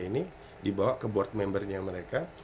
ini dibawa ke board membernya mereka